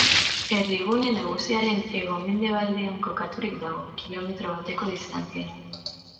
Herrigune nagusiaren hego-mendebaldean kokaturik dago, kilometro bateko distantziara.